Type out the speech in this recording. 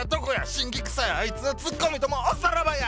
辛気くさいアイツのツッコミともおさらばや。